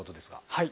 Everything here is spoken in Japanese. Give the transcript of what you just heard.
はい。